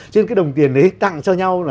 cho nên cái đồng tiền ấy tặng cho nhau